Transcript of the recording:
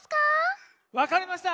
わかりました。